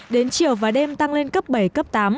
đến chiều và đêm tăng lên cấp bảy cấp tám